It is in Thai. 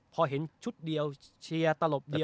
พอเห็นชุดเดียวเชียร์ตลบเดียว